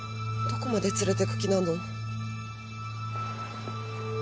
どこまで連れてく気なの？